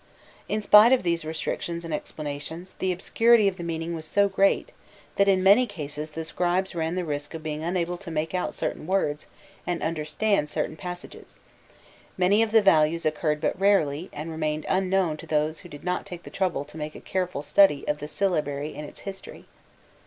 In spite of these restrictions and explanations, the obscurity of the meaning was so great, that in many cases the scribes ran the risk of being unable to make out certain words and understand certain passages; many of the values occurred but rarely, and remained unknown to those who did not take the trouble to make a careful study of the syllabary and its history.